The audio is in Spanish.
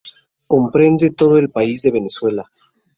Comprende todo el país de Venezuela.